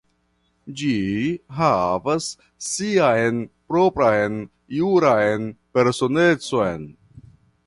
Ĝi havas sian propran juran personecon.